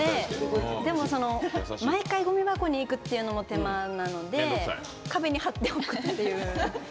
でも、毎回ごみ箱に行くのも手間なので壁に貼っておくっていう。